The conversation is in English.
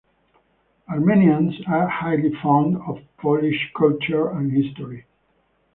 Armenians are highly fond of Polish culture and history.